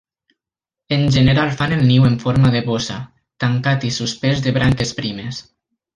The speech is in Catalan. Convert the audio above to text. En general fan el niu amb forma de bossa, tancat i suspès de branques primes.